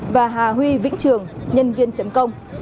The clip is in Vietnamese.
và hà huy vĩnh trường nhân viên chấm công